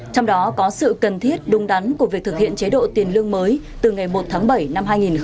trong đó có sự cần thiết đúng đắn của việc thực hiện chế độ tiền lương mới từ ngày một tháng bảy năm hai nghìn hai mươi